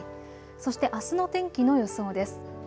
そしてあすの天気の予想です。